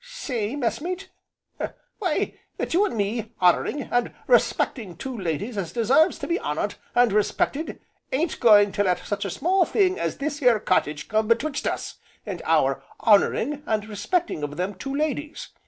"Say, messmate, why that you and me, honouring, and respecting two ladies as deserves to be honoured, and respected, ain't going to let such a small thing as this here cottage come betwixt us, and our honouring and respecting of them two ladies.